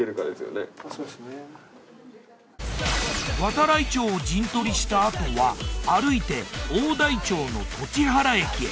度会町を陣取りしたあとは歩いて大台町の栃原駅へ。